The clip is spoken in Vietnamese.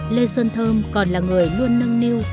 lê xuân thơm còn là người luôn nâng niu